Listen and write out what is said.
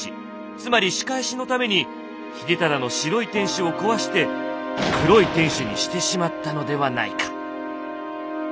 つまり仕返しのために秀忠の白い天守を壊して黒い天守にしてしまったのではないか。